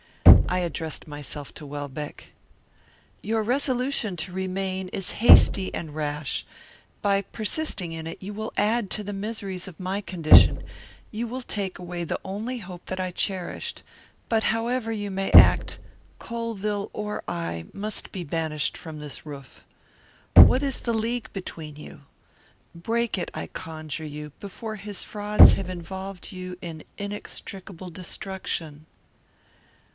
I addressed myself to Welbeck: "Your resolution to remain is hasty and rash. By persisting in it, you will add to the miseries of my condition; you will take away the only hope that I cherished. But, however you may act, Colvill or I must be banished from this roof. What is the league between you? Break it, I conjure you, before his frauds have involved you in inextricable destruction."